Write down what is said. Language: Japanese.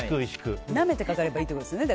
なめてかかればいいってことですね。